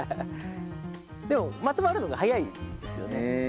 でもまとまるのが早いんですよね